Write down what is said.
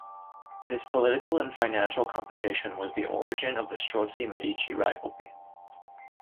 This political and financial competition was the origin of the Strozzi-Medici rivalry.